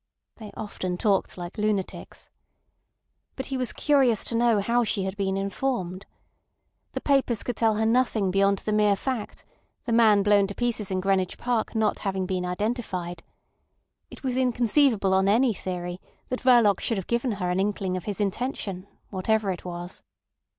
They often talked like lunatics. But he was curious to know how she had been informed. The papers could tell her nothing beyond the mere fact: the man blown to pieces in Greenwich Park not having been identified. It was inconceivable on any theory that Verloc should have given her an inkling of his intention—whatever it was.